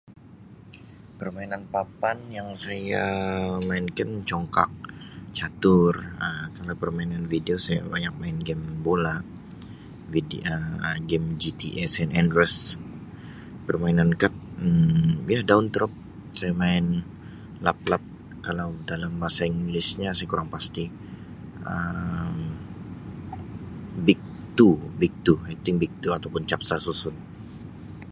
Permainan papan yang saya mainkan congkak, catur Um kalau permainan video saya banyak main game bola vid Um game GTA San Andreas permainan kad Um ya daun terup saya main laplap kalau dalam bahasa englishnya saya kurang pasti Um bigtwo bigtwo mungkin bigtwo ataupun capca susun.